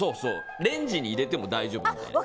レンジに入れても大丈夫みたいな。